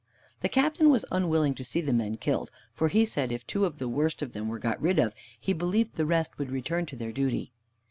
The Captain was unwilling to see the men killed, for he said if two of the worst of them were got rid of, he believed the rest would return to their duty.